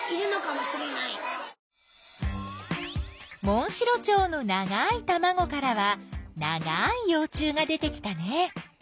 モンシロチョウのながいたまごからはながいよう虫が出てきたね。